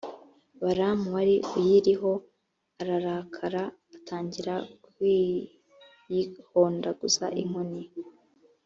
balamu wari uyiriho ararakara, atangira kuyihondaguza inkoni.